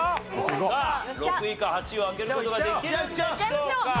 さあ６位か８位を開ける事ができるんでしょうか？